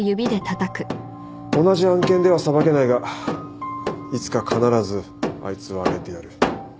同じ案件では裁けないがいつか必ずあいつを挙げてやる。